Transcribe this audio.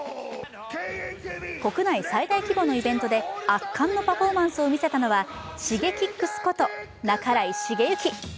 国内最大規模のイベントで圧巻のパフォーマンスを見せたのはＳｈｉｇｅｋｉｘこと半井重幸。